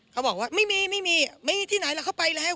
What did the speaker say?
เขาบอกว่าไม่มีไม่มีที่ไหนล่ะเขาไปแล้ว